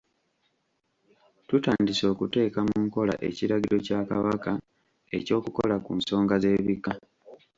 Tutandise okuteeka mu nkola ekiragiro kya Kabaka eky'okukola ku ensonga z'ebika.